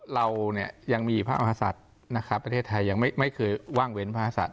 เรายังมีพระมหาศัตริย์ประเทศไทยยังไม่เคยว่างเว้นพระมหาศัตริย์